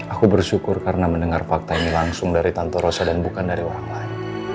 aku bersyukur karena mendengar fakta ini langsung dari tanto rosa dan bukan dari orang lain